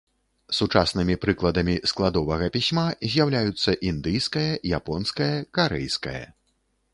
Сучаснымі прыкладамі складовага пісьма з'яўляюцца індыйскае, японскае, карэйскае.